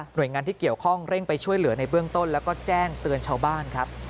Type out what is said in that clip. โดยงานที่เกี่ยวข้องเร่งไปช่วยเหลือในเบื้องต้นแล้วก็แจ้งเตือนชาวบ้านครับ